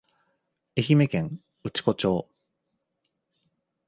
愛媛県内子町